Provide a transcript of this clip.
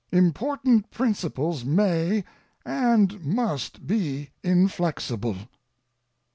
Important principles may, and must, be inflexible.